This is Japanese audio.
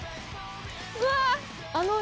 うわ！